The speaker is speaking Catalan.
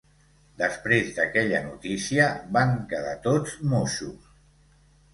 Després d'aquella notícia van quedar tots moixos.